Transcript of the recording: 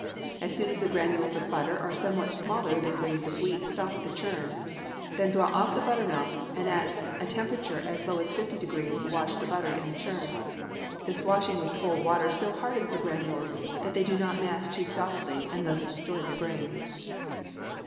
As soon as the granules of butter are somewhat smaller than grains of wheat, stop the churn. Then draw off the buttermilk and at a temperature as low as 50° wash the butter in the churn. This washing with cold water so hardens the granules that they do not mass too solidly and thus destroy the grain.